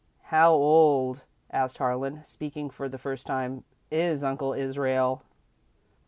"How old," asked Harlan, speaking for the first time, "is Uncle Israel?"